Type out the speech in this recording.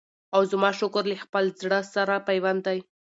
او زما شکر له خپل زړه سره پیوند دی